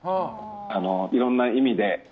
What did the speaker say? いろんな意味で。